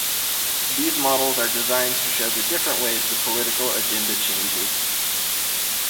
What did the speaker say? These models are designed to show the different ways the political agenda changes.